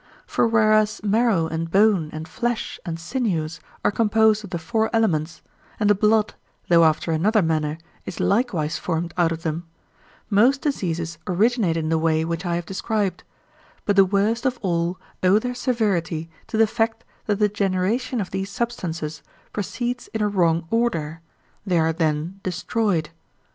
For whereas marrow and bone and flesh and sinews are composed of the four elements, and the blood, though after another manner, is likewise formed out of them, most diseases originate in the way which I have described; but the worst of all owe their severity to the fact that the generation of these substances proceeds in a wrong order; they are then destroyed.